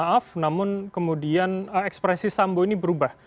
maaf namun kemudian ekspresi sambo ini berubah